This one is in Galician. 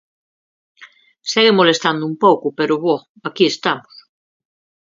Segue molestando un pouco, pero bo, aquí estamos.